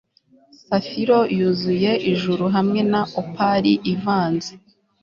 Safiro yuzuye ijuru hamwe na opal ivanze